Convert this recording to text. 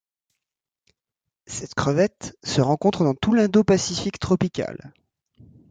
Cette crevette se rencontre dans tout l'Indo-Pacifique tropical.